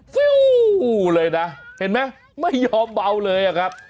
ฟิวเลยนะเห็นไหมไม่ยอมเบาเลยอะครับ